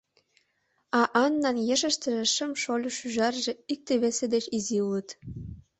— А Аннан ешыштыже шым шольо-шӱжарже икте весе деч изи улыт».